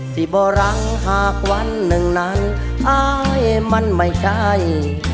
ที่บ่รังหากวันหนึ่งนั้นอายมันไม่ใกล้